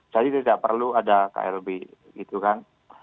jadi tidak perlu ada klb gitu kan